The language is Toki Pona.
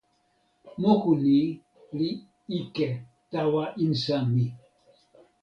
moku ni li ike tawa insa mi.